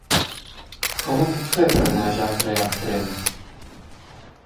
Com ho puc fer per anar a Jafre amb tren?